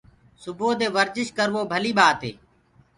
سبوودي ورجش ڪروو ڀلي ٻآتي